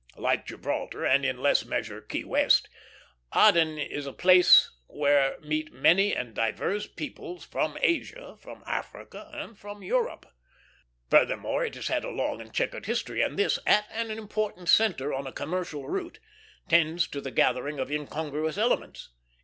Like Gibraltar, and in less measure Key West, Aden is a place where meet many and divers peoples from Asia, from Africa, and from Europe. Furthermore, it has had a long and checkered history; and this, at an important centre on a commercial route, tends to the gathering of incongruous elements.